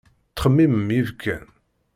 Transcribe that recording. Ttxemmimen yibekkan.